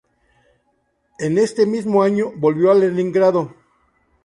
En este mismo año volvió a Leningrado.